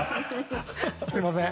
すみません。